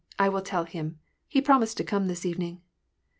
I will tell him. He promised to come this evening."